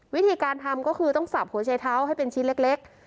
วิธีการทำก็คือต้องสับหัวชัยเท้าให้เป็นชิ้นเล็ก